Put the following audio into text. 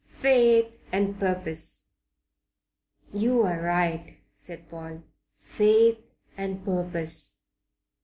Faith and purpose." "You're right," said Paul. "Faith and purpose."